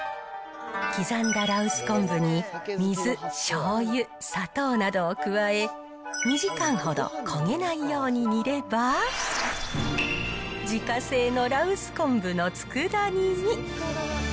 刻んだ羅臼昆布に、水、しょうゆ、砂糖などを加え、２時間ほど焦げないように煮れば、自家製の羅臼昆布のつくだ煮に。